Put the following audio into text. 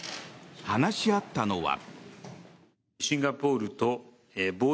話し合ったのは。